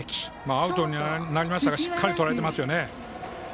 アウトになりましたがしっかりとらえていますね。